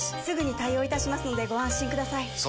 すぐに対応いたしますのでご安心ください